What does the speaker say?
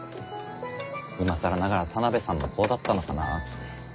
今更ながら田邊さんもこうだったのかなって。